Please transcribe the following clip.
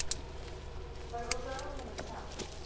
But it was only an attempt.